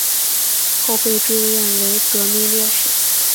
后被追认为革命烈士。